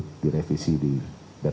tidak bisa direvisi di dpr